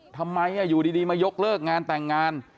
ทำไมอยู่ดีมายกเลิกงานแต่งงาน